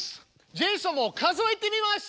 ジェイソンも数えてみます。